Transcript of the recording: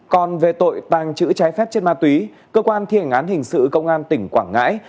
còn về tội tàng trữ trái phép chất ma túy cơ quan thi hành án hình sự công an tỉnh quảng ngãi